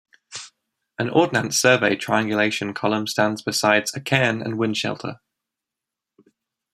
An Ordnance Survey triangulation column stands beside a cairn and windshelter.